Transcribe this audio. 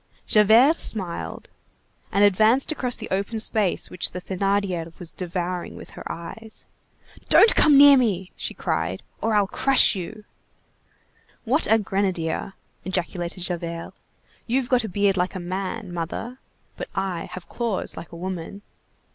Javert smiled, and advanced across the open space which the Thénardier was devouring with her eyes. "Don't come near me," she cried, "or I'll crush you." "What a grenadier!" ejaculated Javert; "you've got a beard like a man, mother, but I have claws like a woman."